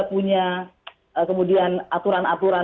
punya kemudian aturan aturan